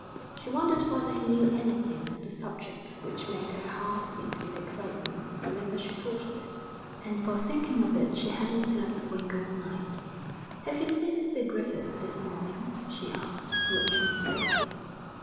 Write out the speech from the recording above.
She wondered whether he knew anything of the subject which made her heart beat with excitement whenever she thought of it, and for thinking of it she hadn't slept a wink all night. 'Have you seen Mr Griffith this morning?' she asked, watching his face.